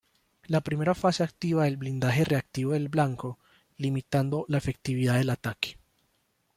La primera fase activa el blindaje reactivo del blanco, limitando la efectividad del ataque.